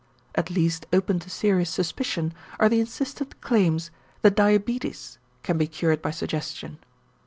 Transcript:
At least open to serious suspicion are the insistent claims that diabetes can be cured by suggestion.